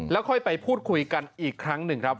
แล้วค่อยไปพูดคุยกันอีกครั้งหนึ่งครับ